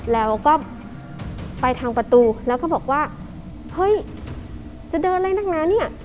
แล้วก็ไปทางประตูแล้วก็บอกว่าเฮ้ยจะเดินอะไรนักนะเนี่ย